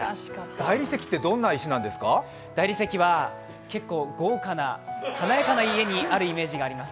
大理石は結構豪華な、華やかな家にあるイメージがあります。